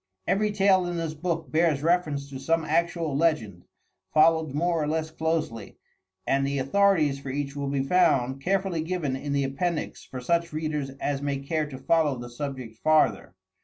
Every tale in this book bears reference to some actual legend, followed more or less closely, and the authorities for each will be found carefully given in the appendix for such readers as may care to follow the subject farther.